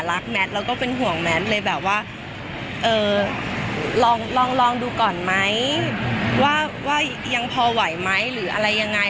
แมทแล้วก็เป็นห่วงแมทเลยแบบว่าลองดูก่อนไหมว่ายังพอไหวไหมหรืออะไรยังไง